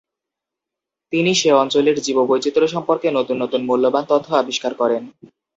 তিনি সে অঞ্চলের জীববৈচিত্র্য সম্পর্কে নতুন নতুন মূল্যবান তথ্য আবিষ্কার করেন।